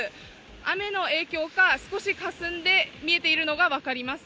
雨の影響か少しかすんで見えているのが分かります。